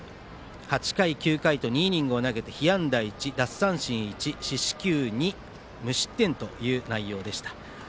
８回、９回と２イニング投げて被安打１、奪三振１無失点という内容でした。